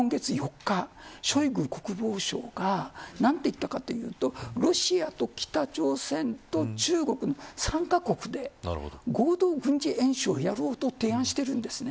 ショイグ国防相がなんて言ったかというとロシアと北朝鮮と中国の３カ国で、合同軍事演習をやろうという提案をしているんです。